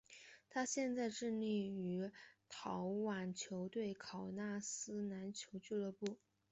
他现在效力于立陶宛球队考纳斯篮球俱乐部。